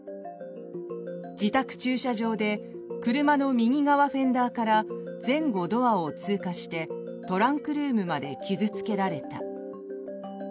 自宅駐車場で車の右側フェンダーから前後ドアを通過してトランクルームまで傷付けられた。